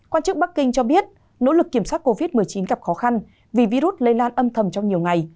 quan chức bắc kinh cho biết nỗ lực kiểm soát covid một mươi chín gặp khó khăn vì virus lây lan âm thầm trong nhiều ngày